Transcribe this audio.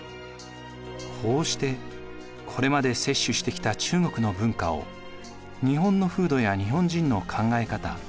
こうしてこれまで摂取してきた中国の文化を日本の風土や日本人の考え方